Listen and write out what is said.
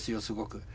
すごく。